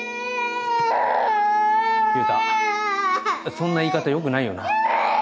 そんな言い方よくないよな？